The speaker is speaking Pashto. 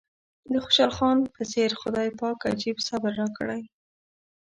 د خوشحال خان په څېر خدای پاک عجيب صبر راکړی.